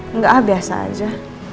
enggak ah biasa aja